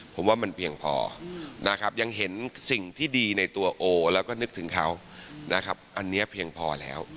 ผมว่ามันเพียงพอนะครับยังเห็นสิ่งที่ดีในตัวโอแล้วก็นึกถึงเขานะครับอันนี้เพียงพอแล้ว